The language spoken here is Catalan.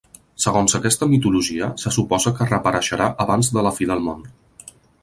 Segons aquesta mitologia, se suposa que reapareixerà abans de la fi del món.